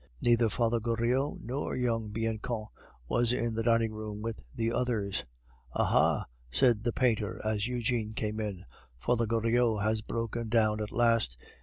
Neither Father Goriot nor young Bianchon was in the dining room with the others. "Aha!" said the painter as Eugene came in, "Father Goriot has broken down at last.